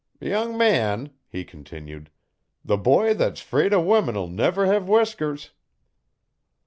'Young man,' he continued, 'the boy thet's 'fraid o' women'll never hev whiskers.'